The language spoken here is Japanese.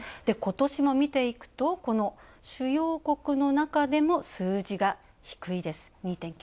今年も見ていくと、この主要国のなかでも数字が低いです。